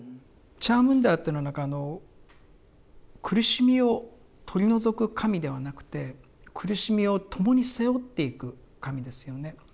チャームンダーっていうのは苦しみを取り除く神ではなくて苦しみを共に背負っていく神ですよね。